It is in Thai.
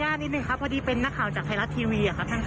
อันนี้ครับผมมานี่